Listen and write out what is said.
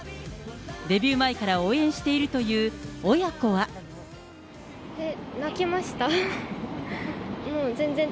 デビュー前から応援しているとい泣きました。